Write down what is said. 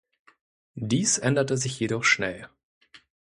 Dies änderte sich jedoch schnell.